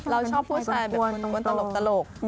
เราชอบผู้ชายมะคุณตรงตลก